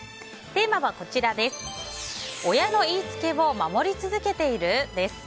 テーマは、親の言いつけを守り続けている？です。